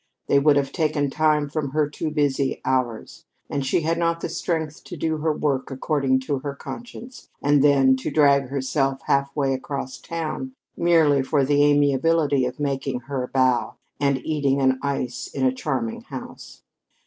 They would have taken time from her too busy hours; and she had not the strength to do her work according to her conscience, and then to drag herself halfway across town, merely for the amiability of making her bow and eating an ice in a charming house.